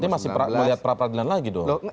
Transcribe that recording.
ini masih melihat pra peradilan lagi dong